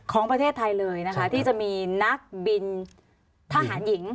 ของประเทศไทยเลยนะคะที่จะมีนักบินทหารหญิง